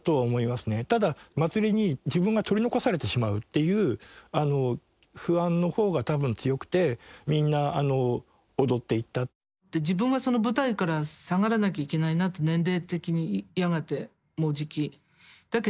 ただ祭りに自分が取り残されてしまうっていう不安のほうが多分強くて自分はその舞台から下がらなきゃいけないなって年齢的にやがてもうじき。